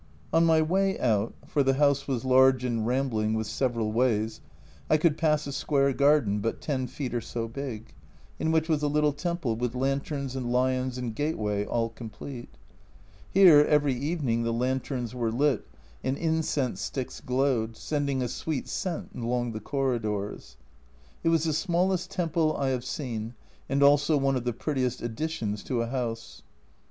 On my way out, for the house was large and rambling, with several ways, I could pass a square garden but 10 feet or so big, in which was a little temple, with lanterns and lions and gateway all complete. Here every evening the lanterns were lit, and incense sticks glowed, sending a sweet scent along the corridors. It was the smallest temple I have seen, and also one of the prettiest additions to a house.